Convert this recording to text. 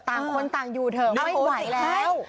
ต่างคนต่างอยู่เถอะไม่ไหวแล้ว